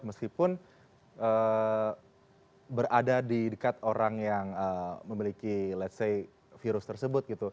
meskipun berada di dekat orang yang memiliki virus tersebut